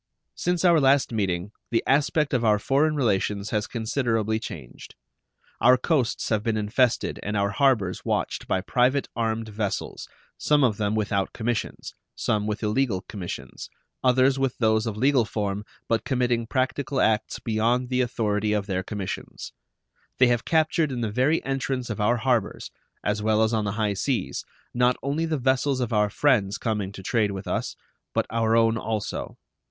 Since our last meeting the aspect of our foreign relations has considerably changed. Our coasts have been infested and our harbors watched by private armed vessels, some of them without commissions, some with illegal commissions, others with those of legal form, but committing practical acts beyond the authority of their commissions. They have captured in the very entrance of our harbors, as well as on the high seas, not only the vessels of our friends coming to trade with us, but our own also.